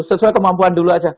sesuai kemampuan dulu aja